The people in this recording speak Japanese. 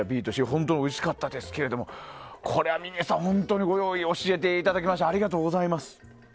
本当、おいしかったですけど峰さん、本当にご用意と教えていただきましてありがとうございます。